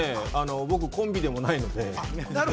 僕コンビでもないので。